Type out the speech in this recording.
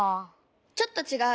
ちょっとちがう。